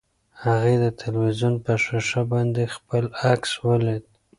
هغې د تلویزیون په ښیښه باندې خپل عکس ولید.